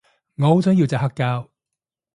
我好想要隻黑膠